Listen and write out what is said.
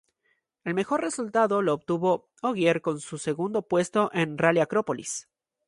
El mejor resultado lo obtuvo Ogier con un segundo puesto en el Rally Acrópolis.